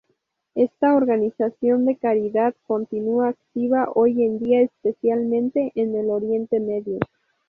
Esta organización de caridad continúa activa hoy en día, especialmente en el Oriente Medio.